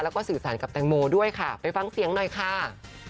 แล้วก็สื่อสารกับแตงโมด้วยค่ะไปฟังเสียงหน่อยค่ะ